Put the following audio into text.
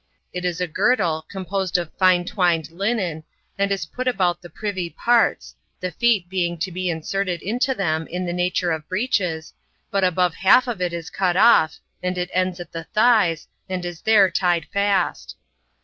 It is a girdle, composed of fine twined linen, and is put about the privy parts, the feet being to be inserted into them in the nature of breeches, but above half of it is cut off, and it ends at the thighs, and is there tied fast.